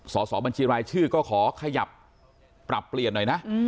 สอบบัญชีรายชื่อก็ขอขยับปรับเปลี่ยนหน่อยนะ